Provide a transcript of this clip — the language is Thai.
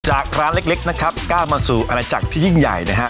ร้านเล็กนะครับก้าวมาสู่อาณาจักรที่ยิ่งใหญ่นะฮะ